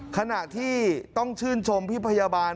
ขณะที่ต้องชื่นชมพี่พยาบาล